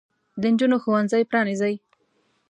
د نجونو ښوونځي پرانیزئ.